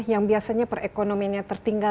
yang biasanya perekonomiannya tertinggal